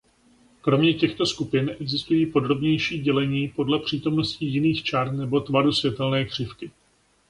Kromě těchto skupin existují podrobnější dělení podle přítomnosti jiných čar nebo tvaru světelné křivky.